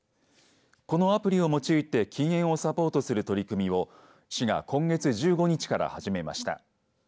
このアプリを用いて禁煙をサポートする取り組みを市が今月１５日から始めました。